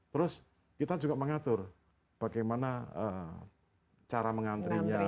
terus kita juga mengatur bagaimana cara mengantrinya